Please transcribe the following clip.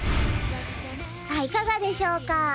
さあいかがでしょうか？